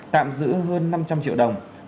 tạm giữ hơn năm trăm linh triệu đồng